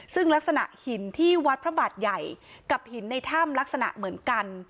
ซึ่งลักษณะหินที่วัดพระบาทใหญ่กับหินในถ้ำลักษณะเหมือนกัน